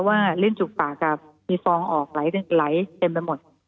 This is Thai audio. ว่าลิ้นจุกปากกับมีฟองออกไหลเต็มไปหมด